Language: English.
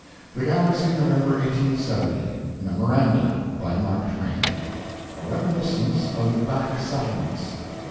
THE GALAXY, November 1870 MEMORANDA. BY MARK TWAIN. A REMINISCENCE OF THE BACK SETTLEMENTS.